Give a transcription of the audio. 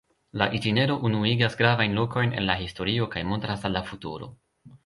La itinero unuigas gravajn lokojn el la historio kaj montras al la futuro.